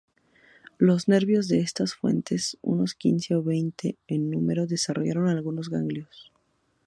Los nervios de estas fuentes, unos quince o veinte en número, desarrollan algunos ganglios.